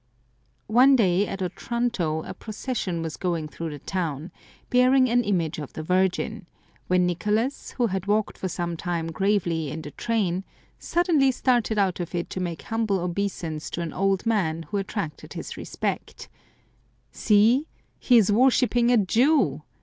One day at Otranto a procession was going through the town, bearing an image of the Virgin, when Nicolas, who had walked for some time gravely in the train, suddenly started out of it to make humble obeisance to an old man who attracted his respect, 191 Curiosities of Olden Times " See ! he is worshipping a Jew